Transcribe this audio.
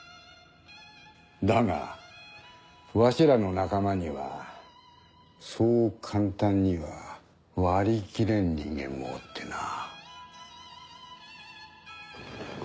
だがわしらの仲間にはそう簡単には割り切れん人間もおってな。